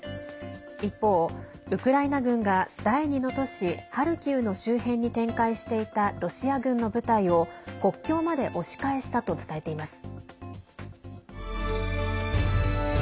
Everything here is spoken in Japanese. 一方、ウクライナ軍が第２の都市ハルキウの周辺に展開していたロシア軍の部隊を国境まで押し返したと伝えています。